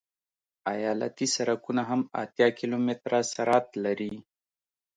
ایالتي سرکونه هم اتیا کیلومتره سرعت لري